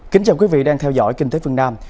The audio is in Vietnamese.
kính chào quý vị đang theo dõi kinh tế phương nam